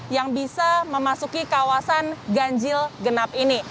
yang bisa memasuki kawasan ganjil genap ini